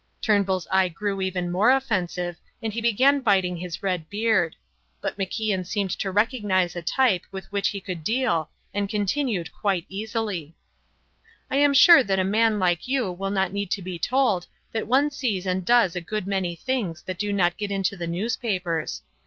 Turnbull's eye grew even more offensive, and he began biting his red beard; but MacIan seemed to recognize a type with which he could deal and continued quite easily: "I am sure that a man like you will not need to be told that one sees and does a good many things that do not get into the newspapers.